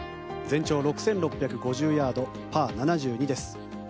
全長６６５０ヤードパー７２です。